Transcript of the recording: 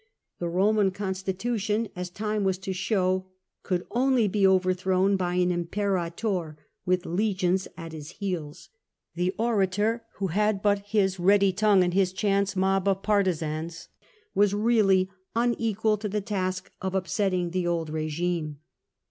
The Eoman constitution, as time was to show, could only be overthrown by an imperator with legions at his heels : the orator, who had but his ready tongue and his chance mob of partisans, was really unequal to the task of up setting the old rigime.